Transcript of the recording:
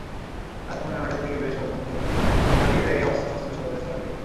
রাত পৌনে নয়টার দিকে কয়েকজন তরুণ ভারী ব্যাগে অস্ত্রশস্ত্রসহ রেস্তোরাঁয় ঢুকে পড়েন।